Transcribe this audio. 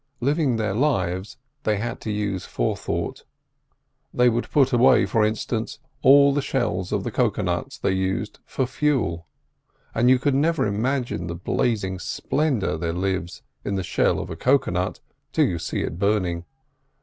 Living their lives, they had to use forethought. They would put away, for instance, all the shells of the cocoa nuts they used for fuel; and you never could imagine the blazing splendour there lives in the shell of a cocoa nut till you see it burning.